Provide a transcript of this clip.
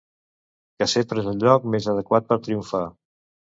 Que sempre és al lloc més adequat per triomfar.